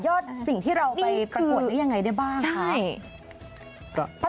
ต่อยอดสิ่งที่เราไปประกวดได้ยังไงด้วยบ้างครับ